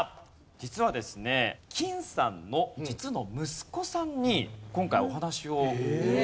実はですねきんさんの実の息子さんに今回お話を伺えました。